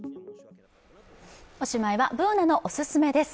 おしまいは、Ｂｏｏｎａのおすすめです。